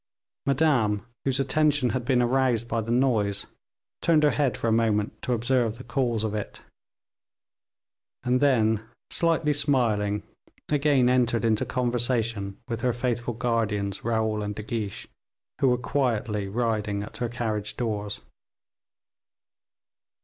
Madame, whose attention had been aroused by the noise, turned her head for a moment to observe the cause of it, and then, slightly smiling, again entered into conversation with her faithful guardians, Raoul and De Guiche, who were quietly riding at her carriage doors.